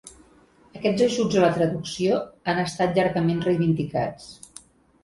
Aquests ajuts a la traducció han estat llargament reivindicats.